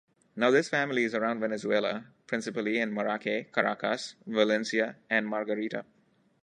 Now this family is around Venezuela, principally in Maracay, Caracas, Valencia and Margarita.